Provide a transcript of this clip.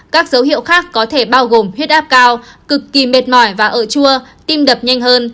các dấu hiệu khác có thể bao gồm huyết áp cao cực kỳ mệt mỏi và ở chua tim đập nhanh hơn